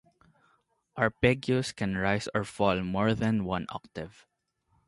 Arpeggios can rise or fall for more than one octave.